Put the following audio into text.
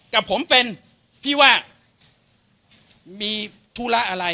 กับผมเป็นพี่ว่ามีธุระอะไร